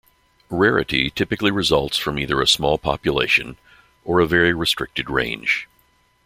Rarity typically results from either a small population or a very restricted range.